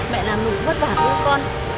mẹ làm đủ vất vả của con